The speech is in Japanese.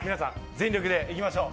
全力でいきましょう。